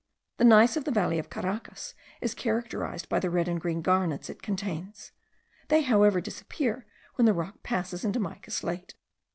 The gneiss of the valley of Caracas is characterized by the red and green garnets it contains; they however disappear when the rock passes into mica slate.